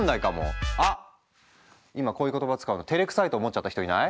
今こういう言葉使うのてれくさいと思っちゃった人いない？